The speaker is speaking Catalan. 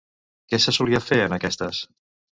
Què se solia fer en aquestes?